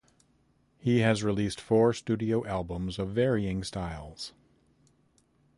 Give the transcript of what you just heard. He has released four studio albums of varying styles.